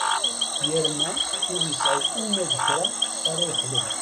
Yerna ur yesɛi uma d kra ara yexdem.